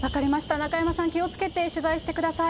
中山さん、気をつけて取材してください。